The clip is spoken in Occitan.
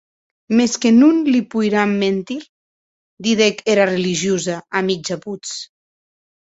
Mès que non li poiram mentir, didec era religiosa, a mieja votz.